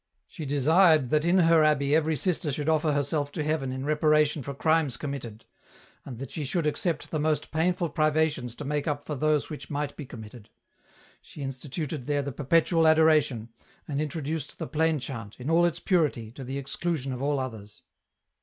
" She desired that in her abbey every sister should offer herself to heaven in reparation for crimes committed ; and that she should accept the most painful privations to make up for those which might be committed ; she instituted there the perpetual adoration, and introduced the plain chant, in all its purity, to the exclusion of all others.